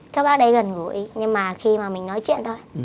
các bác đây gần gũi nhưng mà khi mà mình nói chuyện thôi